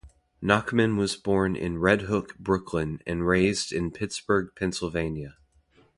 Nachman was born in Red Hook, Brooklyn and raised in Pittsburgh, Pennsylvania.